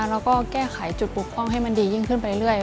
แล้วก็แก้ไขจุดปกป้องให้มันดียิ่งขึ้นไปเรื่อย